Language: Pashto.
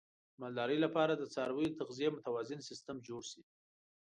د مالدارۍ لپاره د څارویو د تغذیې متوازن سیستم جوړ شي.